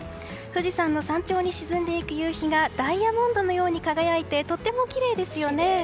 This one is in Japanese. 富士山の山頂に沈んでいく夕日がダイヤモンドのように輝いてとてもきれいですよね。